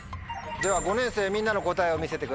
では５年生みんなの答えを見せてください。